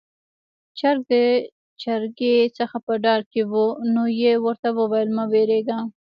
چرګ د چرګې څخه په ډار کې وو، نو يې ورته وويل: 'مه وېرېږه'.